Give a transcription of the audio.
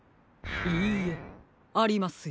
いいえありますよ。